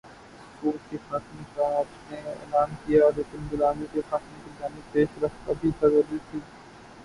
سود کے خاتمے کا آپ نے اعلان کیا لیکن غلامی کے خاتمے کی جانب پیش رفت ابھی جاری تھی۔